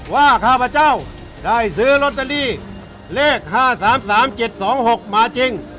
ว่าข้าพเจ้าได้ซื้อรตรีเลข๕๓๓๗๒๖มาจริง